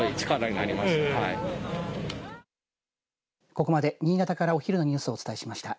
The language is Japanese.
ここまで新潟からお昼のニュースをお伝えしました。